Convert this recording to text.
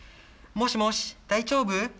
もしもし、大丈夫？